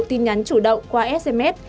tin nhắn chủ động qua sms